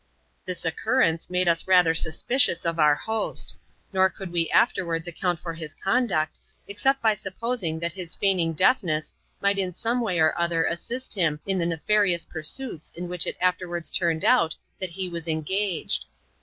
277 This occurrence made us rather suspicious of our host ; nor could we aflterwards account for his conduct, except by supposing that his feigning deafness might in some way or other assist him in the nefarious pursuits in which it afterwards turned out that he was engaged.